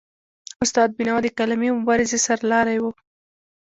استاد بینوا د قلمي مبارزې سرلاری و.